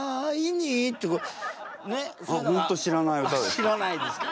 あっ知らないですか。